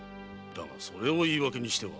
だがそれを言い訳にしては。